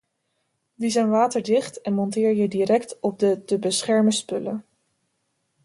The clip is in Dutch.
Die zijn waterdicht en monteer je direct op de te beschermen spullen.